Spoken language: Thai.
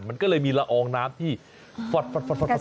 มันก็เลยมีละอองน้ำที่ฟัดออกมาแบบนี้